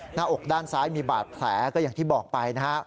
หน้าอกด้านซ้ายมีบาดแผลก็อย่างที่บอกไปนะฮะ